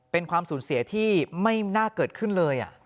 เป็นความสูญเสียที่ไม่น่าเกิดขึ้นเลย